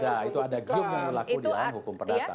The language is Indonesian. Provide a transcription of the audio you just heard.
ya itu ada gium yang berlaku di lahan hukum perdata